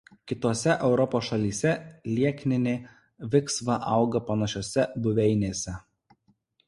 Kitose Europos šalyse liekninė viksva auga panašiose buveinėse.